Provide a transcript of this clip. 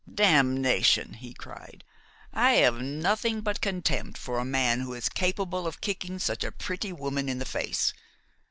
"Damnation!" he cried, "I have nothing but contempt for a man who is capable of kicking such a pretty woman in the face!